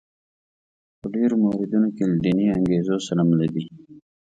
په ډېرو موردونو کې له دیني انګېزو سره مله دي.